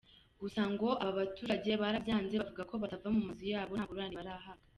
Gusa ngo aba baturage barabyanze bavuga ko batava mu mazu yabo nta ngurane barahabwa.